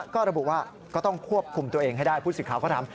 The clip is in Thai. ก็ระบุว่าก็ต้องควบคุมตัวเองให้ได้ผู้สื่อข่าวก็ถาม